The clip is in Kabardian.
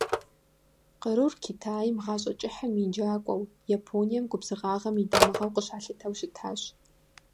Кърур Китайм гъащӀэ кӀыхьым и «джакӀуэу», Японием губзыгъагъэм и дамыгъэу къыщалъытэу щытащ.